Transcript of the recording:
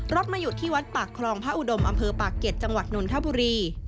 มาหยุดที่วัดปากคลองพระอุดมอำเภอปากเก็ตจังหวัดนนทบุรี